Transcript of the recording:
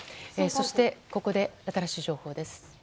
そして、ここで新しい情報です。